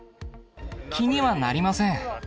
気にはなりません。